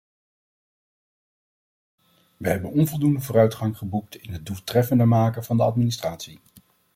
Wij hebben onvoldoende vooruitgang geboekt in het doeltreffender maken van de administratie.